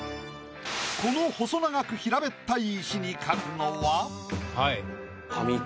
この細長く平べったい石に描くのは？